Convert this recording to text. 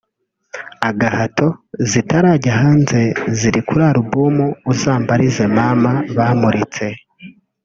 “Agahato” zitarajya hanze ziri kuri Album Uzambarize Mama bamuritse